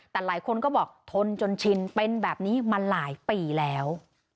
แต่หลายคนก็บอกทนจนชินเป็นแบบนี้มาหลายปีแล้ว